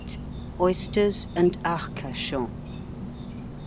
OYSTERS AND ARCACHON.